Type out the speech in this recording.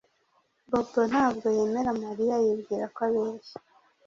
Bobo ntabwo yemera Mariya Yibwira ko abeshya